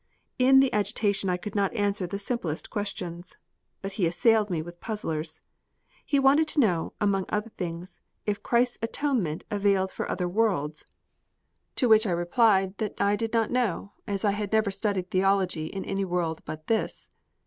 In the agitation I could not answer the simplest questions. But he assailed me with puzzlers. He wanted to know, among other things, if Christ's atonement availed for other worlds; to which I replied that I did not know, as I had never studied theology in any world but this.